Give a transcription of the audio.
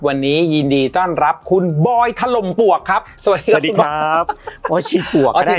วันนี้ยินดีต้อนรับคุณบอยทะลมปวกครับสวัสดีครับสวัสดีครับโอ้ยชีพวกก็ได้